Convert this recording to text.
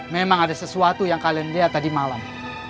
memang ada sesuatu yang kalian lihat tadi malam